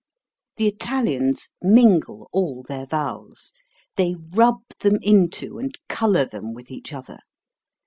The Italians mingle all their vowels. They rub them into and color them with each other.